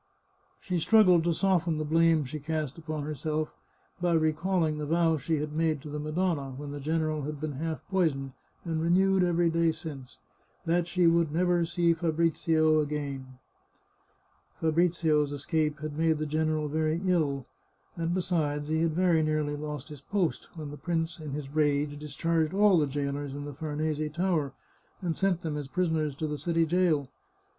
She struggled to soften the blame she cast upon herself by recalling the vow she had made to the Madonna, when the general had been half poisoned, and renewed every day since — that she would never see Fahrisio again. Fabrizio's escape had made the general very ill, and be sides, he had very nearly lost his post, when the prince, in his rage, discharged all the jailers in the Far'nese Tower, and sent them as prisoners to the city jail.